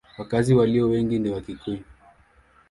Wakazi walio wengi ni Wakikuyu.